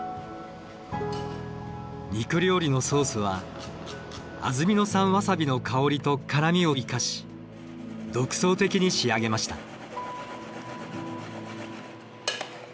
肉料理のソースは安曇野産ワサビの香りと辛みを生かし独創的に仕上げました。